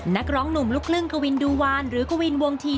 นักร้องหนุ่มลูกครึ่งกวินดูวานหรือกวินวงที